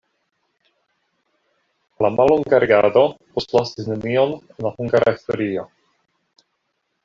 La mallonga regado postlasis nenion en la hungara historio.